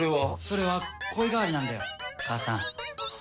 それは声変わりなんだよ母さん。